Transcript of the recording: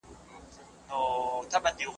زه به اوږده موده د يادښتونه بشپړ کړم؟!